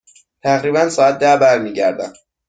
تقریبا ساعت ده برمی گردم.